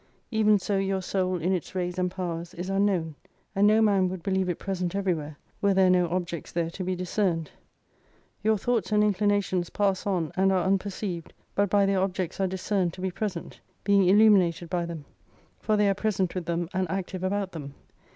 Even so your soul in its rays and powers is unknown : and no man would believe it present everywhere, were there no objects there to be discerned. Your thoughts and inclinations pass on and are unperceived, but by their objects are discerned to be present : being illuminated by them. For they are present with them and active about them.